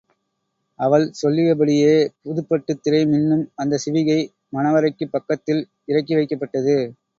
அவள் சொல்லியபடியே புதுப்பட்டுத்திரை மின்னும் அந்தச் சிவிகை மணவறைக்குப் பக்கத்தில் இறக்கி வைக்கப்பட்டது.